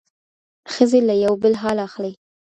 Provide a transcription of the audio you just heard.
ښځې له یو بل حال اخلي.